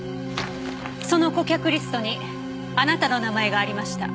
その顧客リストにあなたの名前がありました。